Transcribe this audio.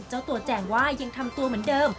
เจ้าตัวแจ่งว่ายังทำตัวเหมือนเดิม